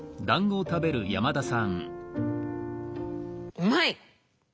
うまい！